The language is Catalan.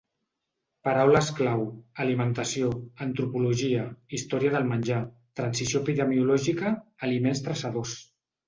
Paraules clau: alimentació, antropologia, història del menjar, transició epidemiològica, aliments traçadors.